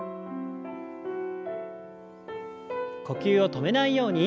呼吸を止めないように。